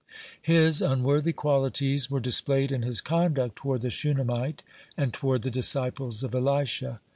His unworthy qualities were displayed in his conduct toward the Shunammite and toward the disciples of Elisha.